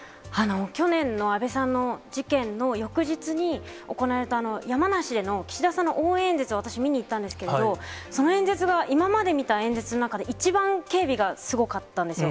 去年の安倍さんの事件の翌日に行われた山梨での岸田さんの応援演説を、私、見に行ったんですけれど、その演説が、今まで見た演説の中で、一番警備がすごかったんですよ。